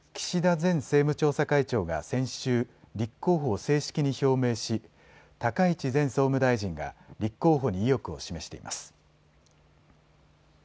前政務調査会長が先週、立候補を正式に表明し高市前総務大臣が立候補に意欲を示しています。